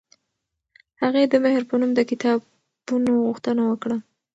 هغې د مهر په نوم د کتابونو غوښتنه وکړه.